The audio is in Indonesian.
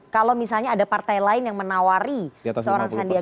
kalau misalnya ada partai lain yang menawari seorang sandiaga u